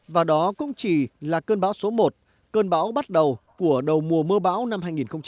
và đó cũng chỉ là cơn bão số một cơn bão bắt đầu của đầu mùa mưa bão năm hai nghìn một mươi tám